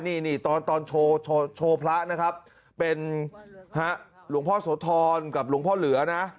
นี่นี่ตอนตอนโชว์โชว์พระนะครับเป็นหลวงพ่อโสธรกับหลวงพ่อเหลือนะ